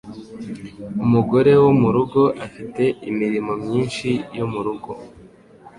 Umugore wo murugo afite imirimo myinshi yo murugo.